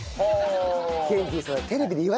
ケンティーそれ。